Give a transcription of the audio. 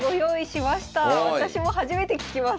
私も初めて聞きます